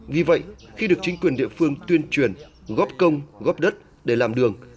vì vậy khi được chính quyền địa phương tuyên truyền góp công góp đất để làm đường